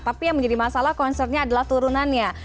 tapi yang menjadi masalah concernnya adalah turunannya